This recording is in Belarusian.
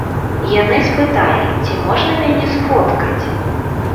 Яны спыталі, ці можна мяне сфоткаць.